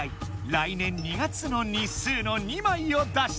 「来年２月の日数」の２まいを出した！